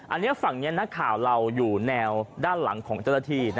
อันนี้ฝั่งนี้นักข่าวเราอยู่แนวด้านหลังของเจ้าหน้าที่